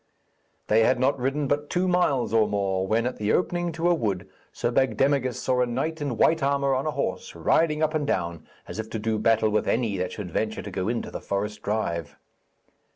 They had not ridden but two miles or more, when at the opening to a wood Sir Bagdemagus saw a knight in white armour on a horse, riding up and down as if to do battle with any that should venture to go into the forest drive.